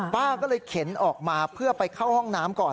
ป้าก็เลยเข็นออกมาเพื่อไปเข้าห้องน้ำก่อน